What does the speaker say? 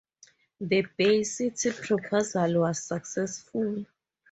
The Bay City proposal was successful.